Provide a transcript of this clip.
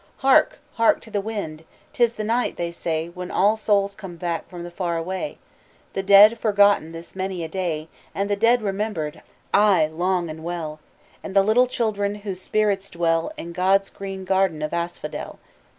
"Hark! Hark to the wind! 'T is the night, they say, When all souls come back from the far away The dead, forgotten this many a day! "And the dead remembered ay! long and well And the little children whose spirits dwell In God's green garden of asphodel.